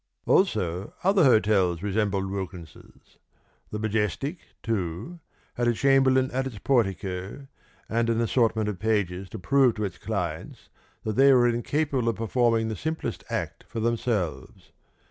Also, other hotels resembled Wilkins's. The Majestic, too, had a chamberlain at its portico, and an assortment of pages to prove to its clients that they were incapable of performing the simplest act for themselves.